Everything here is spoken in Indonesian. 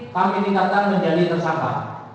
panggil tingkatan menjadi tersangka